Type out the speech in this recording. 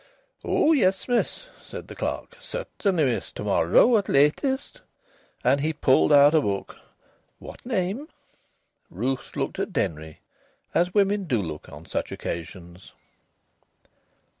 "Oh yes, miss," said the clerk. "Certainly, miss. To morrow at latest." And he pulled out a book. "What name?" Ruth looked at Denry, as women do look on such occasions.